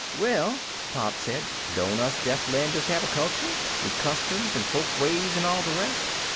"Well," Pop said, "don't us Deathlanders have a culture? With customs and folkways and all the rest?